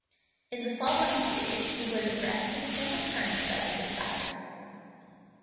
In the following period he was arrested several times by the Gestapo.